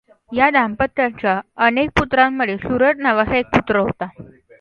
या दांपत्याच्या अनेक पुत्रांमध्ये सुरथ नावाचा एक पुत्र होता.